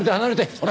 ほら。